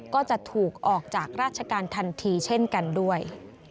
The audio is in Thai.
ก็จะถูกออกจากราชการทันทีเช่นกันด้วย